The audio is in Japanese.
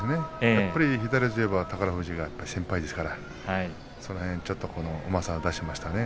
やっぱり左四つといえば宝富士が先輩ですから、その辺うまさを出しましたね。